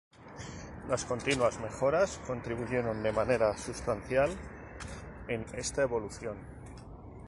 Las continuas mejoras contribuyeron de manera substancial en esta evolución.